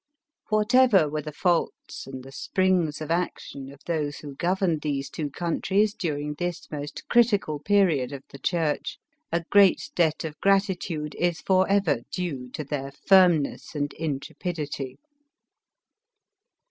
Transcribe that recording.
"Whatever were the faults and the springs of action, of those who governed these two countries during this most critical period of the church, a great debt of gratitude is forever due to their firmness and intrepidity.